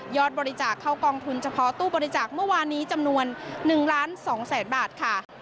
บริจาคเข้ากองทุนเฉพาะตู้บริจาคเมื่อวานนี้จำนวน๑ล้าน๒แสนบาทค่ะ